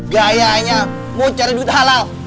gayanya mau cari duit halal